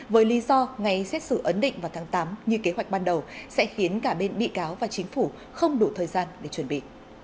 với lý do ngày xét xử ấn định vào tháng tám như kế hoạch ban đầu sẽ khiến cả bên bị cáo và chính phủ không đủ thời gian để chuẩn bị